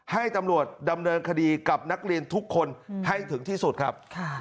ให้ตำรวจดำเนินคดีกับนักเรียนทุกคนให้ถึงที่สุดครับ